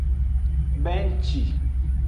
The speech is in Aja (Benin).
Benci.